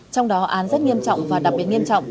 trong đó án rất nghiêm trọng và đặc biệt nghiêm trọng